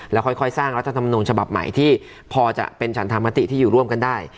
แล้วค่อยสร้างรัฐธรรมนูญฉบับใหม่ที่พอจะเป็นฉันธรรมติที่อยู่ร่วมกันได้